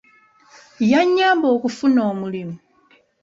Yannyamba okufuna omulimu.